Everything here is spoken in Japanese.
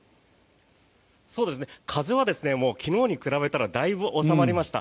風は昨日に比べたらだいぶ収まりました。